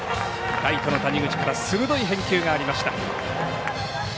ライトの谷口は鋭い返球がありました。